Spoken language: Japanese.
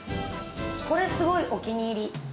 これ、すごいお気に入り。